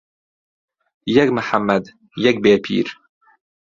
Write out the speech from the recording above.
يهک محەممەد يهک بێ پیر